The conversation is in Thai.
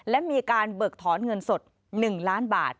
และมีการเบิกถอนเงินสด๑ล้านบาท